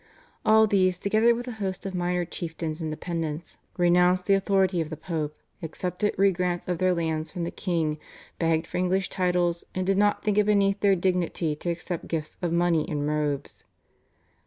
All these, together with a host of minor chieftains and dependents, renounced the authority of the Pope, accepted re grants of their lands from the king, begged for English titles, and did not think it beneath their dignity to accept gifts of money and robes.